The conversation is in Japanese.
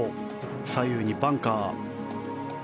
左右にバンカー。